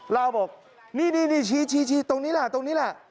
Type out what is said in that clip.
ลาวบอกนี่ชี้ตรงนี้แหละ